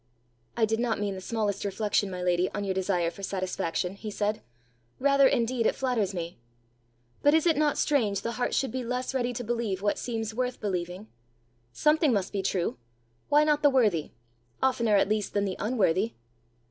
"I did not mean the smallest reflection, my lady, on your desire for satisfaction," he said; "rather, indeed, it flatters me. But is it not strange the heart should be less ready to believe what seems worth believing? Something must be true: why not the worthy oftener at least than the unworthy?